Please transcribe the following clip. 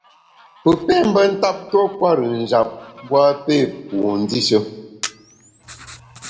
Pù pé mbe ntap tuo kwer-ùn njap, mbu a pé pu ndishe.